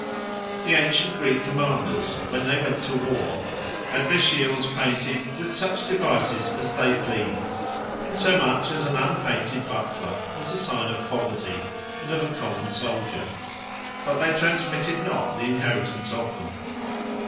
The antient Greek Commanders, when they went to war, had their Shields painted with such Devises as they pleased; insomuch as an unpainted Buckler was a signe of Poverty, and of a common Souldier: but they transmitted not the Inheritance of them.